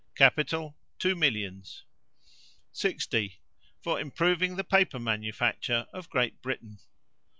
Capital, two millions. 60. For improving the paper manufacture of Great Britain.